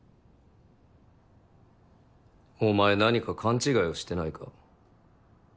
お前何か勘違いをしてないか？